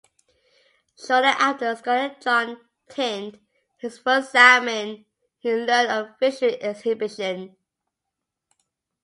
Shortly after Scholar John tinned his first salmon he learned of a fishery exhibition.